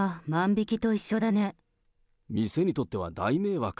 店にとっては大迷惑。